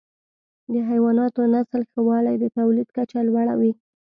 د حیواناتو نسل ښه والی د تولید کچه لوړه وي.